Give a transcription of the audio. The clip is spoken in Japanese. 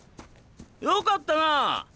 よかったなあ。